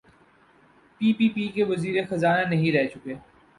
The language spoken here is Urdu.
پی پی پی کے وزیر خزانہ نہیں رہ چکے؟